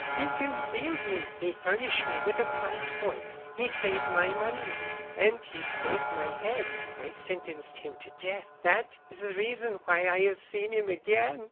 He concealed me; he furnished me with a passport; he saved my money, and he saved my head I sentenced him to death. That is the reason why I have seen him again.